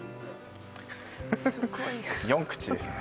すごい４口ですね